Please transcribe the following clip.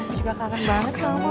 aku juga kangen banget kamu